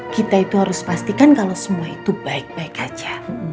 kita itu harus pastikan kalau semua itu baik baik saja